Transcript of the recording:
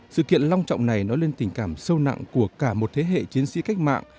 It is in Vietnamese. sự kiện long trọng này nói lên tình cảm sâu nặng của cả một thế hệ chiến sĩ cách mạng